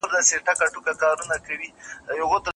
چي د پنځو زرو کلونو الاهو زنګوي